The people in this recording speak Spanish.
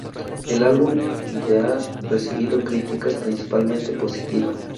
El álbum de ha recibido críticas principalmente positiva.